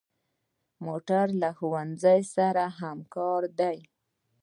موټر له ښوونځي سره همکار دی.